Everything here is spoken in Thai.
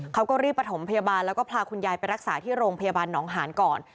เขาก็รีบประถมพยาบาลแล้วก็พาคุณยายไปรักษาที่โรงพยาบาลหนองหานก่อน